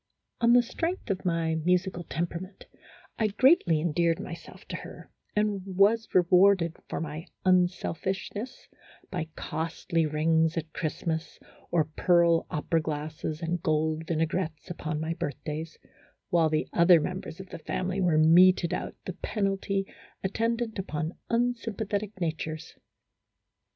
On the strength of my musical temperament, I greatly endeared myself to her, and was rewarded for my unselfishness by costly rings at Christmas, or pearl opera glasses and gold vinaigrettes upon my birthdays, while the other members of the family were meted out the penalty attendant upon unsym pathetic natures.